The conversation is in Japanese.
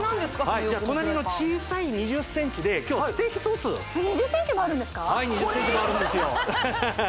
はいじゃあ隣の小さい２０ｃｍで今日ステーキソースはい２０ｃｍもあるんですよ